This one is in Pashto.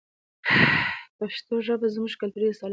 پښتو ژبه زموږ کلتوري اصالت ساتي.